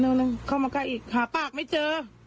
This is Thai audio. เดี๋ยวนึงเข้ามาใกล้อีกหาปากไม่เจอ